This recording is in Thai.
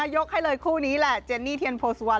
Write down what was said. ยกให้เลยคู่นี้แหละเจนนี่เทียนโพสุวรรณ